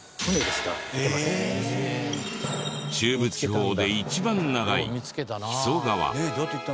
中部地方で一番長い木曽川。